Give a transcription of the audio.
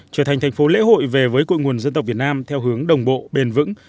trở thành thành phố lễ hội về với cội nguồn dân tộc việt nam theo hướng đồng bộ bền vững